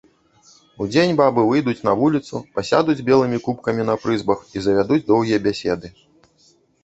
Удзень бабы выйдуць на вуліцу, пасядуць белымі купкамі на прызбах і завядуць доўгія бяседы.